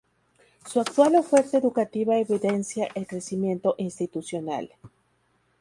Su actual oferta educativa evidencia el crecimiento institucional.